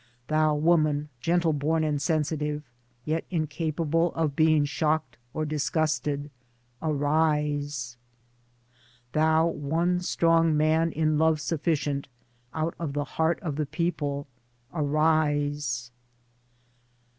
Thou Woman, gentleborn and sensitive, yet incapable of being shocked or disgusted — Arise ! Thou one strong Man in love sufficient, out of the heart of the people — Arise!